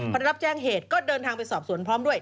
พอรับแจ้งเหตุก็เดินทางไปสอบสวนพร้อมด้วย